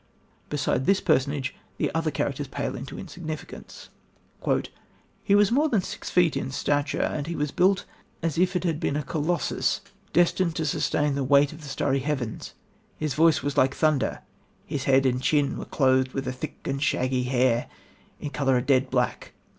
Beside this personage the other characters pale into insignificance: "He was more than six feet in stature ... and he was built as if it had been a colossus, destined to sustain the weight of the starry heavens. His voice was like thunder ... his head and chin were clothed with a thick and shaggy hair, in colour a dead black.